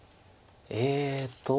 えっと。